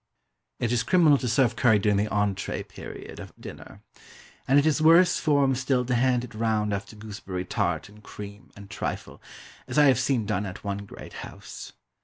It is criminal to serve curry during the entrée period of dinner. And it is worse form still to hand it round after gooseberry tart and cream, and trifle, as I have seen done at one great house.